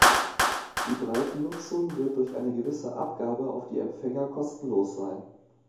Die Breitennutzung wird durch eine gewisse Abgabe auf die Empfänger kostenlos sein.